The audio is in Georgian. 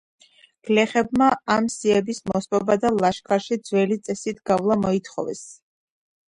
გლეხებმა ამ სიების მოსპობა და ლაშქარში ძველი წესით გასვლა მოითხოვეს.